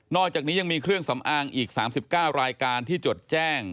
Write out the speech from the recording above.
อกจากนี้ยังมีเครื่องสำอางอีก๓๙รายการที่จดแจ้ง